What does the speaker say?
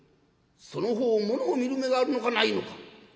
その方ものを見る目があるのかないのか。